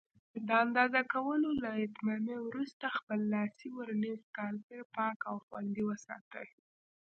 د اندازه کولو له اتمامه وروسته خپل لاسي ورنیر کالیپر پاک او خوندي وساتئ.